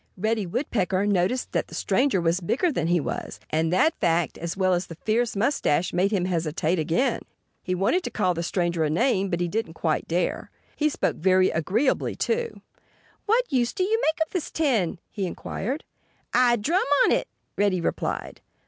Reddy Woodpecker noticed that the stranger was bigger than he was. And that fact, as well as the fierce mustache, made him hesitate again. He wanted to call the stranger a name. But he didn't quite dare. Then the stranger spoke again. He spoke very agreeably, too. "What use do you make of this tin?" he inquired. "I drum on it," Reddy replied.